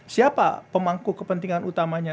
siapa pemangku kepentingan utamanya